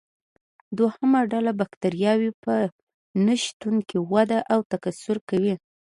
دوهمه ډله بکټریاوې په نشتون کې وده او تکثر کوي.